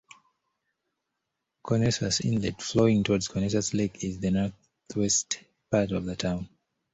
Conesus Inlet, flowing toward Conesus Lake, is in the northwest part of the town.